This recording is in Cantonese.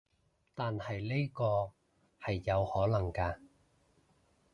但係呢個係有可能㗎